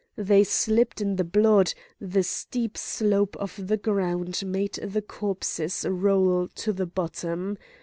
They slipped in the blood; the steep slope of the ground made the corpses roll to the bottom.